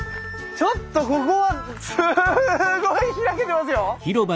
ちょっとここはすごい開けてますよ！